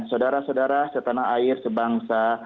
saudara saudara setan hair sebangsa